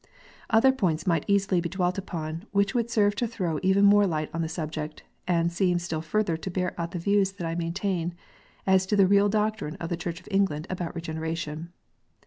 Other points might easily be dwelt upon, which would serve to throw even more light on the subject, and seem still further to bear out the views that I maintain, as to the real doctrine of the Church of England about Regeneration.